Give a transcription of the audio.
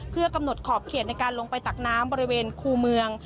เพื่อกำหนดขอบเขตในการลงไปตักน้ำบริเวณคู่เมือง